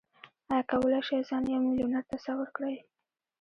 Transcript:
ايا کولای شئ ځان يو ميليونر تصور کړئ؟